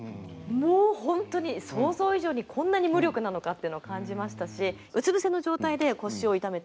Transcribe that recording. もう本当に想像以上にこんなに無力なのかっていうのを感じましたしうつ伏せの状態で腰を痛めている。